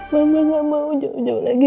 mama gak mau jauh jauh lagi